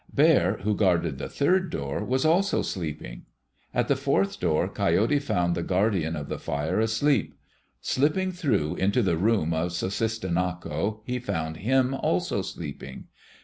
Bear, who guarded the third door, was also sleeping. At the fourth door, Coyote found the guardian of the fire asleep. Slipping through into the room of Sussistinnako, he found him also sleeping.